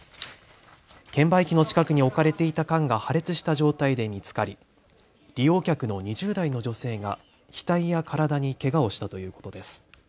券売機の近くに置かれていた缶が破裂した状態で見つかり利用客の２０代の女性が額や体にけがをしたということです。